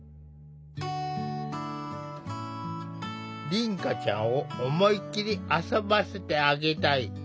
凛花ちゃんを思いっきり遊ばせてあげたい。